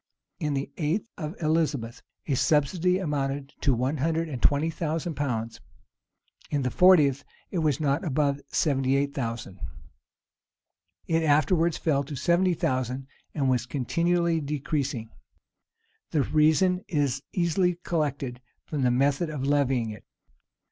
In the eighth of Elizabeth, a subsidy amounted to one hundred and twenty thousand pounds: in the fortieth, it was not above seventy eight thousand.[] It afterwards fell to seventy thousand, and was continually decreasing.[] The reason is easily collected from the method of levying it.